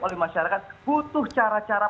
oleh masyarakat butuh cara cara